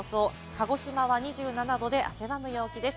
鹿児島は２７度で、汗ばむ陽気です。